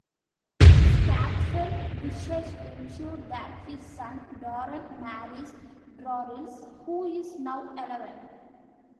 Scathfell wishes ensure that his son Darren marries Dorilys, who is now eleven.